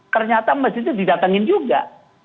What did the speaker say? ternyata masjid itu didatengin juga